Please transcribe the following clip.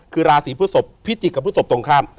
คือราศีพฤศพพิจิกกับพฤศพตรงข้าม